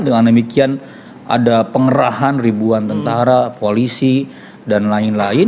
dengan demikian ada pengerahan ribuan tentara polisi dan lain lain